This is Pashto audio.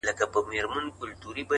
• له خوراکه یې د غوښو ځان ساتلی ,